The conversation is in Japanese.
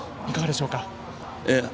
いかがでしょうか？